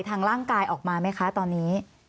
ทางร่างกายออกมาไหมคะตอนนี้